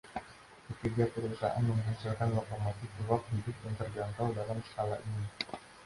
Ketiga perusahaan menghasilkan lokomotif uap hidup yang terjangkau dalam skala ini.